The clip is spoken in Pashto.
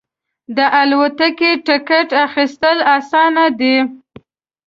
د الوتکې ټکټ اخیستل اسانه دی.